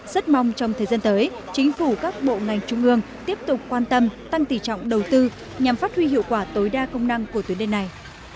rất mong trong thời gian tới chính phủ các bộ ngành trung ương tiếp tục quan tâm tăng tỷ trọng đầu tư nhằm phát huy hiệu quả tối đa công năng của tuyến đê này